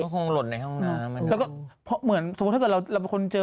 คงหล่นในห้องน้ำแล้วก็เพราะเหมือนสมมุติถ้าเกิดเราเราเป็นคนเจอ